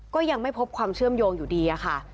ก็ยังไม่พบความเชื่อมโยงอยู่ดีค่ะ